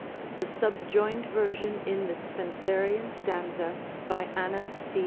The subjoined version in the Spenserian stanza, by Anna C.